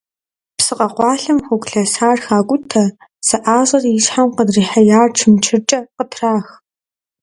Псы къэкъуалъэм хугу лъэсар хакӏутэ, зэӏащӏэри и щхьэм къыдрихьеяр чымчыркӏэ къытрах.